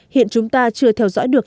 hiện chúng ta chưa theo dõi được